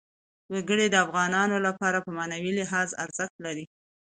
وګړي د افغانانو لپاره په معنوي لحاظ ارزښت لري.